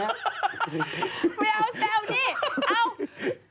ไม่เอาแซวนี่เอ้า